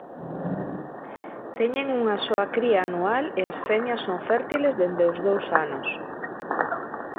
Teñen unha soa cría anual e as femias son fértiles dende os dous anos.